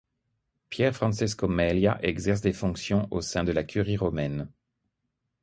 Pier Francesco Meglia exerce des fonctions au sein de la curie romaine.